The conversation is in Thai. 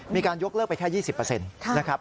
มีการยกเลิกไปแค่๒๐นะครับ